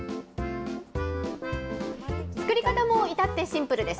作り方も至ってシンプルです。